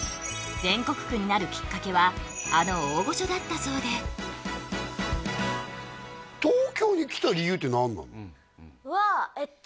全国区になるきっかけはあの大御所だったそうで東京に来た理由って何なの？はえっと